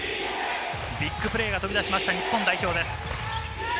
ビッグプレーが飛び出しました、日本代表。